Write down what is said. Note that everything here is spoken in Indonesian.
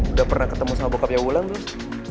udah pernah ketemu sama bokapnya wulan belum